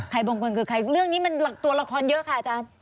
บางคนคือใครเรื่องนี้มันหลักตัวละครเยอะค่ะอาจารย์